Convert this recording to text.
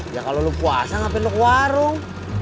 ya kalau lu puasa ngapain lu ke warung